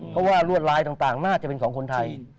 เพราะว่ารวดลายต่างน่าจะเป็นของคนไทย